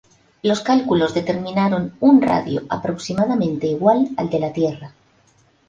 Los cálculos determinaron un radio aproximadamente igual al de la Tierra.